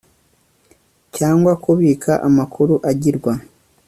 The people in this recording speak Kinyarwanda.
cyangwa kubika amakuru agirwa